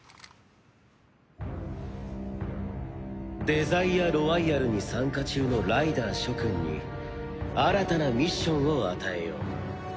デザイアロワイヤルに参加中のライダー諸君に新たなミッションを与えよう。